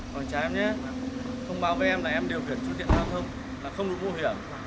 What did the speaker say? còn trái em nhé thông báo với em là em điều kiện chú tiện giao thông là không được mũ hiểm